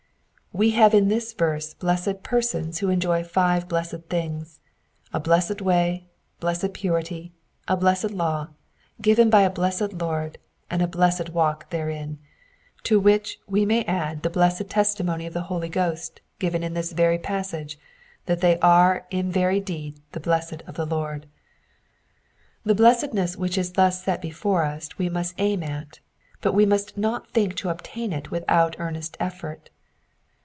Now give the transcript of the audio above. We have in this verse blessed persons who enjoy five blessed things, A blessed way, blessed purity, a blessed law, o^ven by a blessed Lord, and a blessed walk therein ; to which we may add the blessed testimony of the Holy Ghost given in this very passage that they are in very deed the blessed of the Lord. The blessedness which is thus set before us we must aim at, but we must not think to obtain it without earnest effort.